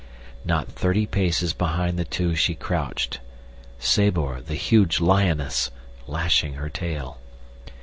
Not thirty paces behind the two she crouched—Sabor, the huge lioness—lashing her tail.